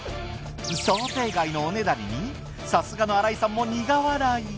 想定外のおねだりにさすがの新井さんも苦笑い。